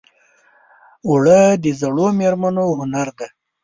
اوړه د زړو مېرمنو هنر دی